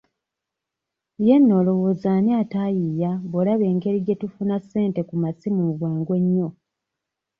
Ye nno olowooza ani ataayiiya bw'olaba engeri gye tufunira ssente ku masimu mu bwangu ennyo.